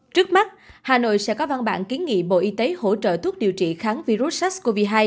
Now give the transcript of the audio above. trước mắt hà nội sẽ có văn bản kiến nghị bộ y tế hỗ trợ thuốc điều trị kháng virus sars cov hai